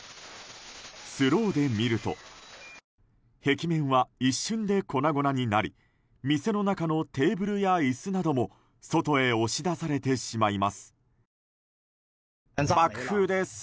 スローで見ると壁面は一瞬で粉々になり店の中のテーブルや椅子なども外へ押し出されてしまいます。